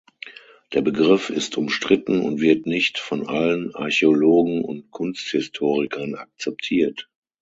Der Begriff ist umstritten und wird nicht von allen Archäologen und Kunsthistorikern akzeptiert.